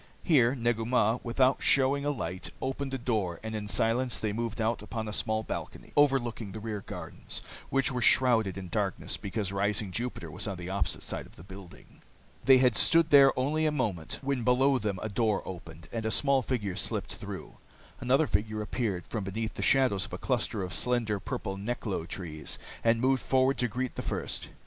Here Negu Mah, without showing a light, opened a door, and in silence they moved out upon a small balcony overlooking the rear gardens, which were shrouded in darkness because rising Jupiter was on the opposite side of the building. They had stood there only a moment when below them a door opened, and a small figure slipped through. Another figure appeared from beneath the shadows of a cluster of slender, purple neklo trees and moved forward to greet the first.